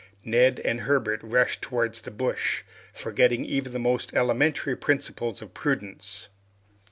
Neb and Herbert rushed towards the bush, forgetting even the most elementary principles of prudence.